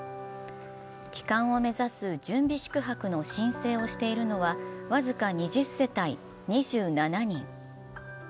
帰還を目指す準備宿泊の申請をしているのは僅か２０世帯、２７人。